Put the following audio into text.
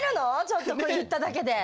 ちょっとこれ言っただけで。